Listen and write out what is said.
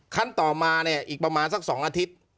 ต่อมาเนี่ยอีกประมาณสัก๒อาทิตย์